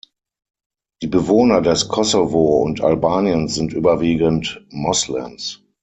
Die Bewohner des Kosovo und Albaniens sind überwiegend Moslems.